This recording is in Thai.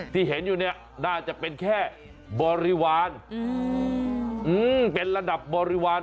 ที่เห็นอยู่เนี่ยน่าจะเป็นแค่บริวารเป็นระดับบริวาร